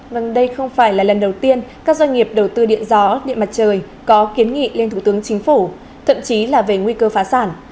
vâng đây không phải là lần đầu tiên các doanh nghiệp đầu tư điện gió điện mặt trời có kiến nghị lên thủ tướng chính phủ thậm chí là về nguy cơ phá sản